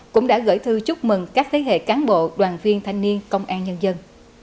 cũng đã gửi thư chúc mừng các thế hệ cán bộ đoàn viên thanh niên công an nhân dân